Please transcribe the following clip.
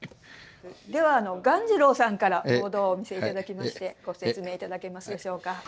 では鴈治郎さんからボードをお見せいただきましてご説明いただけますでしょうか？